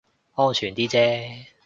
安全啲啫